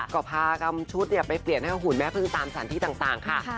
ก็พากรรมชุดเนี่ยไปเปลี่ยนให้หุ่นแม่ภึงตามสถานที่ต่างค่ะค่ะ